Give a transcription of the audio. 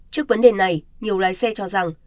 trước vấn đề này nhiều lái xe cho rằng